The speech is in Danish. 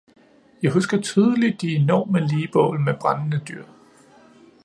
Jeg husker tydeligt de enorme ligbål med brændende dyr.